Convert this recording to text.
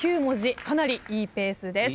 かなりいいペースです。